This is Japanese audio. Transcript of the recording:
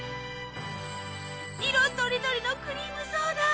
色とりどりのクリームソーダ。